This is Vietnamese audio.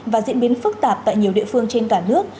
và diễn biến phức tạp tại nhiều địa phương trên cả nước